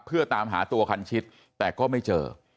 เพื่อตามหาตัวคันชิดแต่ก็ไม่เจอ